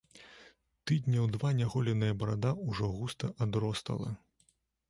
Тыдняў два няголеная барада ўжо густа адростала.